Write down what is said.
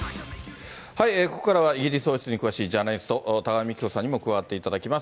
ここからはイギリス王室に詳しいジャーナリスト、多賀幹子さんにも加わっていただきます。